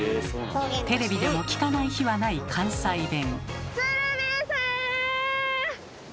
テレビでも聞かない日はない関西弁。